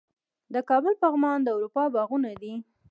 د کابل پغمان د اروپا باغونه دي